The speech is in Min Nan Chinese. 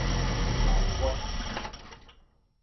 埋沒